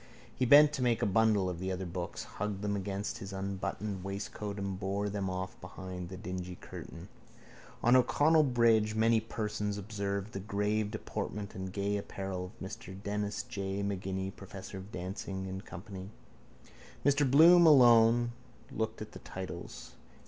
He bent to make a bundle of the other books, hugged them against his unbuttoned waistcoat and bore them off behind the dingy curtain. On O'Connell bridge many persons observed the grave deportment and gay apparel of Mr Denis J Maginni, professor of dancing &c. Mr Bloom, alone, looked at the titles.